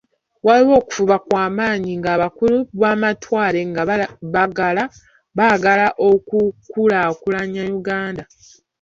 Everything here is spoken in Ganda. Waaliwo okufuba kwa maanyi nga abakulu b’amatwale baagala okukulaakulanya Uganda.